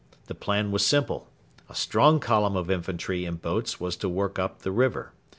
The plan was simple. A strong column of infantry in boats was to work up the river.